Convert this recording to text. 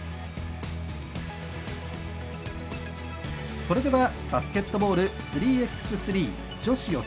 それではバスケットボール３ｘ３女子予選